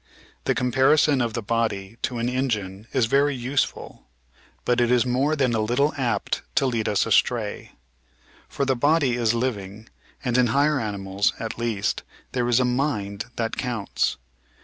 The comparison of the body to an engine is very useful, but it is more than a little apt to lead us astray. For the body is living, and in higher animals, at least, there is a "mind" that counts.